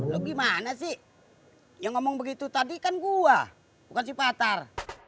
lo gimana sih yang ngomong begitu tadi kan gua bukan sipatar